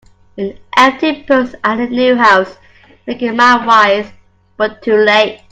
An empty purse, and a new house, make a man wise, but too late.